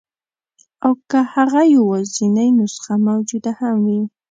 او که هغه یوازنۍ نسخه موجوده هم وي.